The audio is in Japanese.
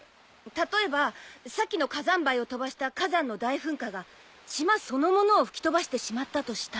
例えばさっきの火山灰を飛ばした火山の大噴火が島そのものを吹き飛ばしてしまったとしたら。